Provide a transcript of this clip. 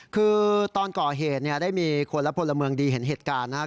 คือตอนก่อเหตุเนี่ยได้มีคนและพลเมืองดีเห็นเหตุการณ์นะครับ